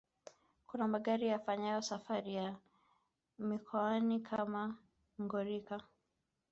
Kuna magari yafanyayo safari za mikoani kama Ngorika